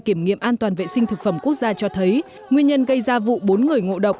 kiểm nghiệm an toàn vệ sinh thực phẩm quốc gia cho thấy nguyên nhân gây ra vụ bốn người ngộ độc